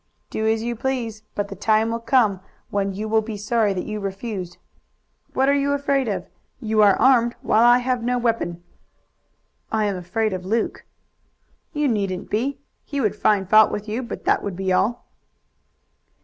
"Do as you please, but the time will come when you will be sorry that you refused. What are you afraid of? You are armed, while I have no weapon." "I am afraid of Luke." "You needn't be. He would find fault with you, but that would be all."